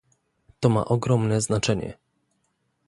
To ma ogromne znaczenie